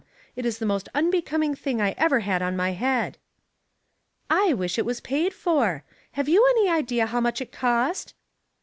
It is the most unbecoming thing I ever had on my head." *'/ wish it was paid for. Have you any idea how much it cost?